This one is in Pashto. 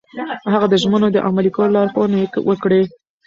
هغه د ژمنو د عملي کولو لارښوونې وکړې.